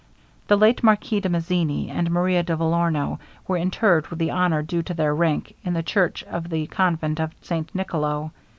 The late Marquis de Mazzini, and Maria de Vellorno, were interred with the honor due to their rank in the church of the convent of St Nicolo.